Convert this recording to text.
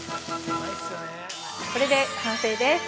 これで完成です。